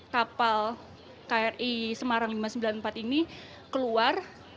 kapal kri semarang lima ratus sembilan puluh empat ini keluar